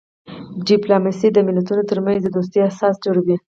ډیپلوماسي د ملتونو ترمنځ د دوستۍ اساس جوړوي.